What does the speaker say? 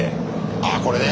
あっこれね。